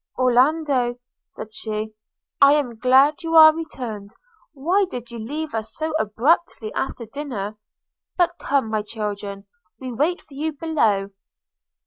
– 'Orlando,' said she, 'I am glad you are returned – Why did you leave us so abruptly after dinner? But come, my children, we wait for you below.'